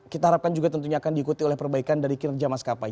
kita harapkan juga tentunya akan diikuti oleh perbaikan dari kinerja maskapai